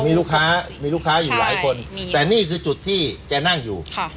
มีลูกค้ามีลูกค้าอยู่หลายคนแต่นี่คือจุดที่แกนั่งอยู่